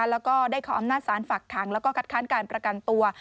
แล้วก็ได้ขออำนาจสารฝักขังแล้วก็คัดค้านการประกันตัว